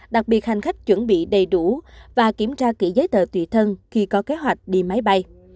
đặc biệt hành khách chuẩn bị đầy đủ và kiểm tra kỹ giấy tờ tùy thân khi có kế hoạch đi máy bay